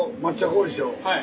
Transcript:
はい。